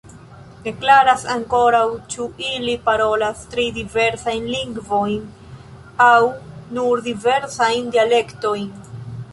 Ne klaras ankoraŭ, ĉu ili parolas tri diversajn lingvojn aŭ nur diversajn dialektojn.